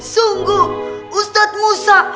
sungguh ustadz musa